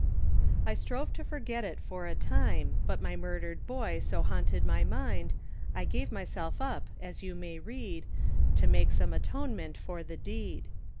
I strove to forget it for a time, But my murdered boy so haunted my mind, I gave myself up, as you may read, To make some atonement for the deed.